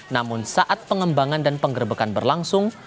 namun saat pengembangan dan penggerbekan berlangsung